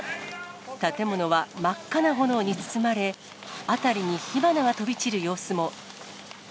建物は真っ赤な炎に包まれ、辺りに火花が飛び散る様子も。